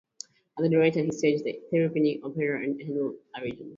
As a director he staged The Threepenny Opera and Handel's "Ariodante".